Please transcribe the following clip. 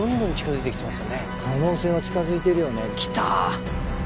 可能性は近づいてるよね。